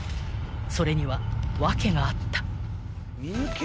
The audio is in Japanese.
［それには訳があった］